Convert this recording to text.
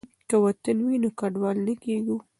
که وطن وي نو کډوال نه کیږو.